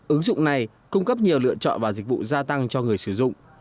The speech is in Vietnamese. ứng dụng này cung cấp nhiều lựa chọn và dịch vụ gia tăng cho người sử dụng